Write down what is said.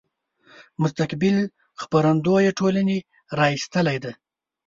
مستقبل خپرندويه ټولنې را ایستلی دی.